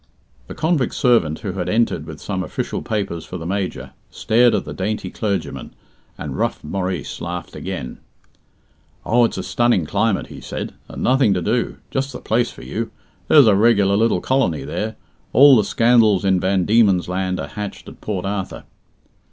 The convict servant, who had entered with some official papers for the Major, stared at the dainty clergyman, and rough Maurice laughed again. "Oh, it's a stunning climate," he said; "and nothing to do. Just the place for you. There's a regular little colony there. All the scandals in Van Diemen's Land are hatched at Port Arthur."